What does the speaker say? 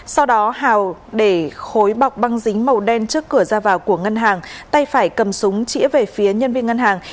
sau đó hào để khối bọc băng dính màu đen trước cửa ra vào của ngân hàng tay phải cầm súng chỉa về phía nhân viên ngân hàng